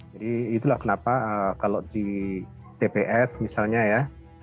jadi itulah kenapa kalau di tps misalnya ya